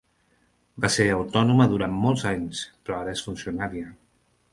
Va ser autònoma durant molts anys, però ara és funcionària.